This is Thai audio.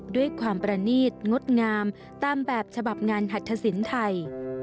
ด้วยความประนีตงดงามตามแบบฉบับงานหัตถสินไทย